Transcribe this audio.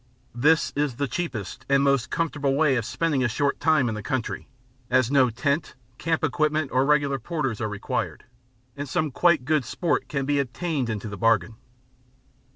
This is the cheapest and most comfortable way of spending a short time in the country, as no tent, camp equipment, or regular porters are required; and some quite good sport can be obtained into the bargain.